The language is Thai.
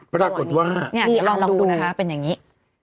ปรากฏว่านี่ลองดูนะคะเป็นอย่างนี้